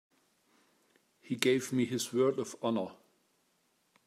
He gave me his word of honor.